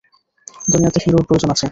দুনিয়াতে হিরোর প্রয়োজন আছে।